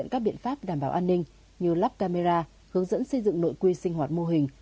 các biện pháp đảm bảo an ninh như lắp camera hướng dẫn xây dựng nội quy sinh hoạt mô hình